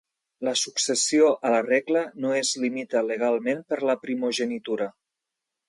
La successió a la regla no es limita legalment per la primogenitura.